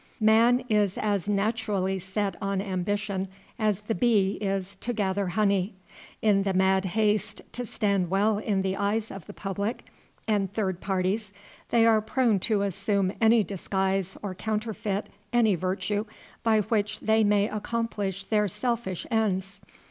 Man is as naturally set on ambition as the bee is to gather honey. In the mad haste to stand well in the eyes of the public and third parties, they are prone to assume any disguise or counterfeit any virtue by which they may accomplish their selfish ends.